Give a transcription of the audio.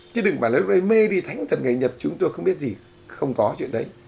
chứ đừng nói là mê đi thánh thật ngày nhập chúng tôi không biết gì không có chuyện đấy